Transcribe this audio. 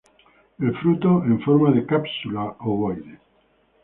El fruto en forma de cápsula ovoide.